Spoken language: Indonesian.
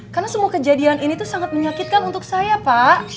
karena semua kejadian ini tuh sangat menyakitkan untuk saya pak